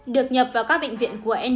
được nhập vào các bệnh viện của nhl